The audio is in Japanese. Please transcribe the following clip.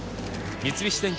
三菱電機